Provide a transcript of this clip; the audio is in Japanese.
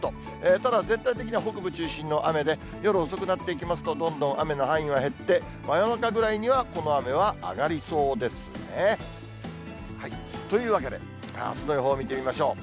ただ全体的には北部中心の雨で、夜遅くなっていきますと、どんどん雨の範囲は減って、真夜中ぐらいにはこの雨は上がりそうですね。というわけで、あすの予報見てみましょう。